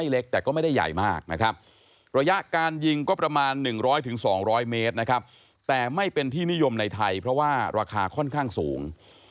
ระยะการยิงก็ประมาณ๑๐๐๒๐๐เมตรแต่ไม่เป็นที่นิยมในไทยเพราะว่าราคาค่อนข้างสูง